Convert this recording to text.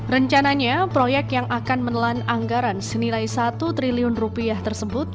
rencananya proyek yang akan menelan anggaran senilai satu triliun rupiah tersebut